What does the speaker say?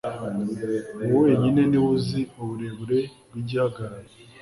Uwo wenyine ni we uzi uburebure bw'igihagararo